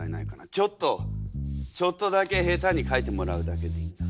ちょっとちょっとだけ下手に書いてもらうだけでいいんだ。